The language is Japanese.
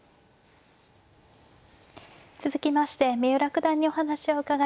続きまして三浦九段にお話を伺います。